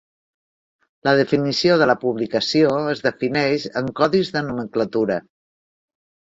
La definició de la "publicació" es defineix en codis de nomenclatura.